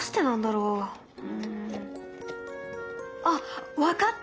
うん。あっ分かった！